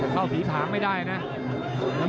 เข้าผีผางไม่ได้นะ